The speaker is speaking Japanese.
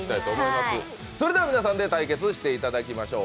それでは皆さんで対決していただきましょう。